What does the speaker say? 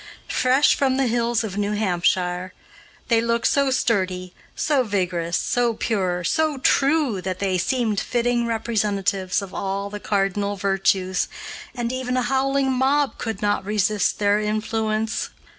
Fresh from the hills of New Hampshire, they looked so sturdy, so vigorous, so pure, so true that they seemed fitting representatives of all the cardinal virtues, and even a howling mob could not resist their influence.